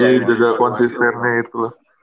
jadi jaga konsistensinya itu